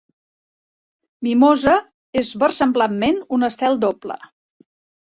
Mimosa és versemblantment un estel doble.